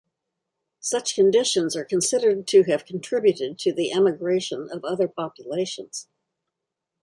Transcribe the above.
Such conditions are considered to have contributed to the emigration of other populations.